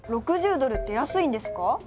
６０ドルって安いんですか？